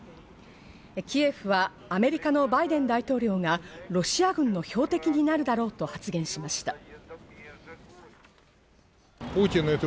キエフはアメリカのバイデン大統領がロシア軍の標的になるだろうと発言しました。